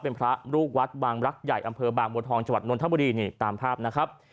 เป็นพระรูกวัสส์บางลักษณ์ใหญ่อำเภอบางบนทองจวัตน์นทบุรีตามภาพนะครับ